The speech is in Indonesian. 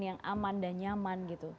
yang aman dan nyaman gitu